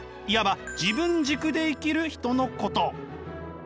いわば自分軸で生きる人のこと。